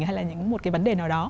hay là những một cái vấn đề nào đó